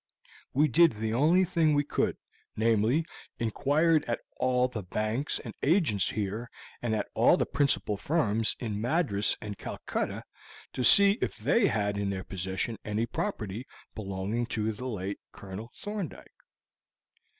We did the only thing we could, namely, inquired at all the banks and agents here and at all the principal firms in Madras and Calcutta to ask if they had in their possession any property belonging to the late Colonel Thorndyke."